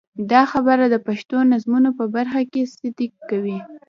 دا خبره د پښتو نظمونو په برخه کې صدق کوي.